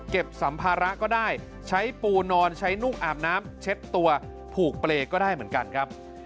สัมภาระก็ได้ใช้ปูนอนใช้นุ่งอาบน้ำเช็ดตัวผูกเปรย์ก็ได้เหมือนกันครับ